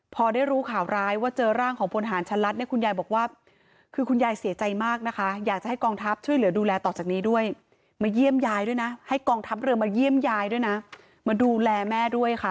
พอได้รู้ข่าวร้ายว่าเจอร่างของพลหารชะลัดเนี่ยคุณยายบอกว่าคือคุณยายเสียใจมากนะคะอยากจะให้กองทัพช่วยเหลือดูแลต่อจากนี้ด้วยมาเยี่ยมยายด้วยนะให้กองทัพเรือมาเยี่ยมยายด้วยนะมาดูแลแม่ด้วยค่ะ